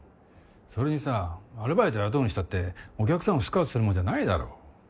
それにさアルバイト雇うにしたってお客さんをスカウトするもんじゃないだろ。